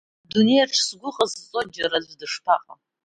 Адунеиаҿ сгәы ҟазҵо, џьара аӡә дышԥаҟам.